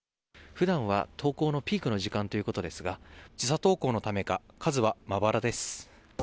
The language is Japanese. ふだんは登校のピークの時間ということですが、時差登校のためか、数はまばらです。